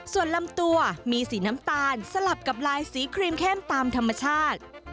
ส่วนลำตัวมีสีน้ำตาลสลับกับลายสีครีมเข้มตามธรรมชาติ